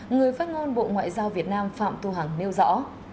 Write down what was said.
người phát ngôn bộ ngoại giao việt nam phạm thu hằng nêu rõ